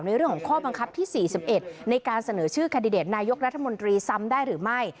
เรื่องของข้อบังคับที่๔๑ในการเสนอชื่อแคนดิเดตนายกรัฐมนตรีซ้ำได้หรือไม่